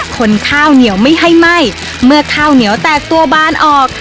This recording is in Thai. ข้าวเหนียวไม่ให้ไหม้เมื่อข้าวเหนียวแตกตัวบานออก